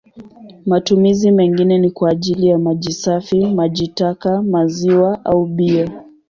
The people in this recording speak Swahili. Matumizi mengine ni kwa ajili ya maji safi, maji taka, maziwa au bia.